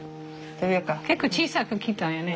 結構小さく切ったんやね。